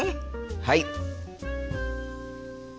はい！